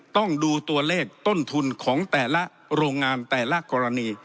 ต้องดูตัวเลขต้นทุนของแต่ละโรงงานแต่ละกรณี